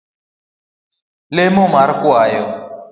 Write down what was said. Lemo mar kwayo